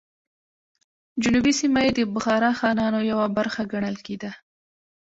جنوبي سیمه یې د بخارا خانانو یوه برخه ګڼل کېده.